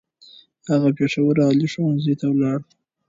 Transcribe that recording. هغه پېښور عالي ښوونځی ته ولاړ.